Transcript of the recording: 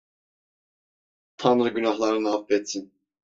Tanrı günahlarını affetsin.